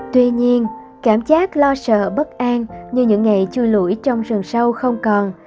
tuy nhiên cảm giác lo sợ bất an như những ngày chui lũi trong rừng sâu không còn